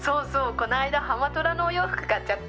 こないだハマトラのお洋服買っちゃった！